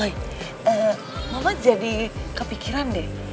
eh ma mama jadi kepikiran deh